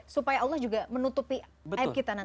supaya allah juga menutupi aib kita nanti